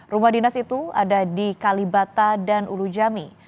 rumah dinas itu ada di kalibata dan ulu jami